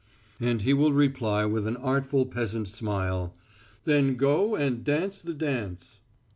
And he will reply with an artful peasant smile, "Then go and dance the dance."